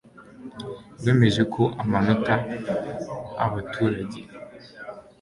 wemeje ko amanota abaturage